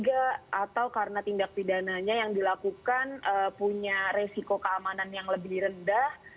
atau karena tindak pidananya yang dilakukan punya resiko keamanan yang lebih rendah